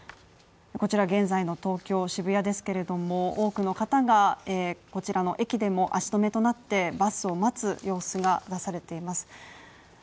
こちら現在の東京・渋谷ですけれども多くの方がこちらの駅でも足止めとなってバスを待つ様子が出されています。